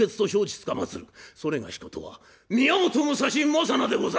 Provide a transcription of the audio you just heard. それがしことは宮本武蔵政名でござる」。